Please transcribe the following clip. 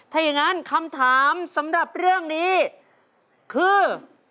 ถ้าอย่างนั้นคำถามสำหรับเรื่องนี้คือ